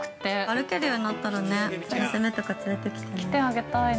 ◆歩けるようになったらね、娘とか連れてきてあげたい。